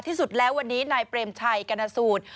ที่สุดแล้ววันนี้นายเปรมชัยกรณสูตร